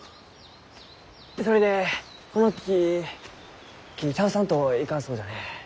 それでこの木切り倒さんといかんそうじゃね？